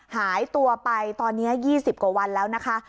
หายตัวไปตอนนี้๒๐กว่าวันแล้วนะคะ